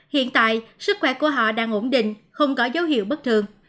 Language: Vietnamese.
hiện tại sức khỏe của họ đang ổn định không có dấu hiệu bất thường